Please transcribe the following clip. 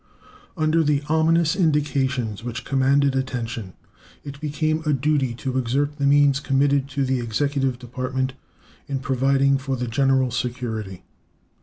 Under the ominous indications which commanded attention it became a duty to exert the means committed to the executive department in providing for the general security.